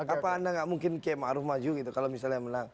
apa anda enggak mungkin kemaruh maju gitu kalau misalnya menang